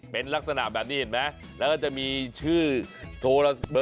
เป็นลักษณะแบบนี้เพราะจะมีชื่อโทรศัพท์